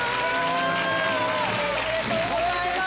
おめでとうございます。